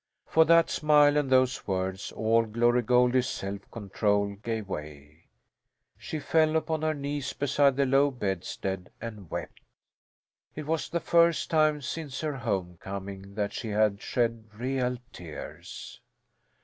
For that smile and those words all Glory Goldie's self control gave way; she fell upon her knees beside the low bedstead, and wept. It was the first time since her homecoming that she had shed real tears.